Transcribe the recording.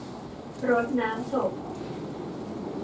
รดน้ำศพ